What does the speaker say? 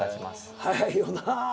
早いよなぁ。